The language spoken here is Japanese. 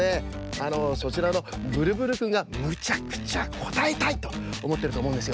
あのそちらのブルブルくんが「むちゃくちゃこたえたい！」とおもってるとおもうんですよ。